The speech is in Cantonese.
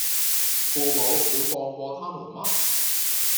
父母會放過他們嗎